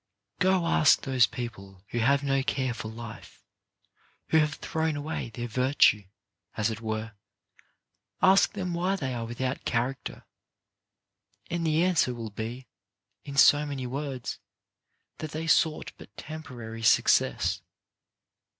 Go ask those people who have no care for life, who have thrown away their virtue, as it were, ask them why they are without character, and the answer will be, in so many words, that they sought but temporary success.